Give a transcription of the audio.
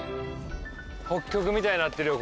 北極みたいになってるよ